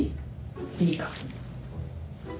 いいかも。